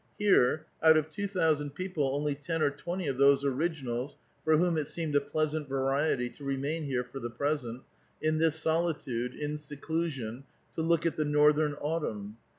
Here, out of two thou sand people, only ten or twenty of those originals for whom it seemed a pleasant variety to remain here for the present, in this solitude, in seclusion, to look at the northern autumn.